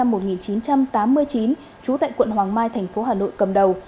bà bùi anh tuấn sinh năm một nghìn chín trăm tám mươi chín trú tại quận hoàng mai thành phố hà nội cầm đầu